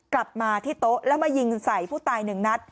กลับมาที่โต๊ะแล้วมายิงใส่ผู้ตายหนึ่งนัด